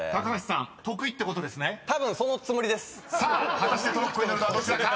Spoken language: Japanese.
［果たしてトロッコに乗るのはどちらか？